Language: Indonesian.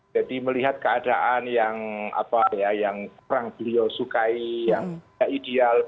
jadi melihat keadaan yang apa ya yang orang beliau sukai yang tidak ideal